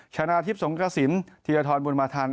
ชาญาทิพย์สมกระสินธิริยธรรมุนมาทัน